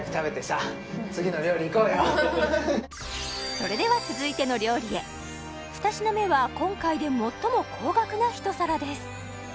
それでは続いての料理へ２品目は今回で最も高額な一皿です